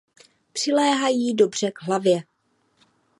Přiléhají dobře k hlavě.